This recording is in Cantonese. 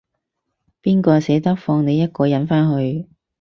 邊個捨得放你一個人返去